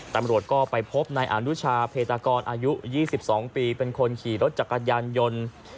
ตำรวจก็ไปพบนายอนุชาเพตากรอายุ๒๒ปีเป็นคนขี่รถจักรยานยนต์